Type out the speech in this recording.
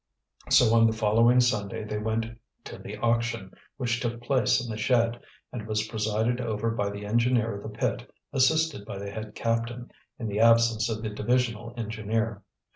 So on the following Sunday they went to the auction, which took place in the shed and was presided over by the engineer of the pit, assisted by the head captain, in the absence of the divisional engineer.